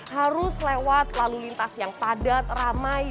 harus lewat lalu lintas yang padat ramai